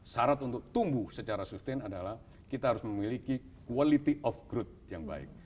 syarat untuk tumbuh secara sustain adalah kita harus memiliki quality of growth yang baik